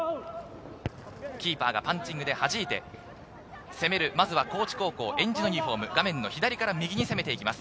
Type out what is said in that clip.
キーパーがパンチングではじいて、攻める高知高校をえんじのユニホーム、画面左から右に攻めます。